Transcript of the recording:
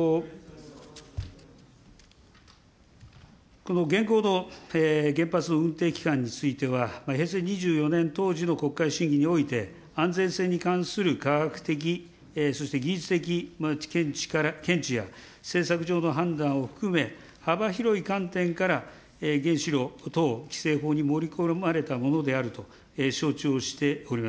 この現行の原発の運転期間については、平成２４年当時の国会審議において、安全性に関する科学的、そして技術的見地や政策上の判断を含め、幅広い観点から、原子炉等規制法に盛り込まれたものであると、承知をしております。